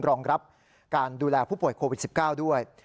รองรับการดูแลผู้ป่วยโควิด๑๙ด้วย